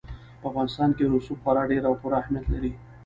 په افغانستان کې رسوب خورا ډېر او پوره اهمیت لري.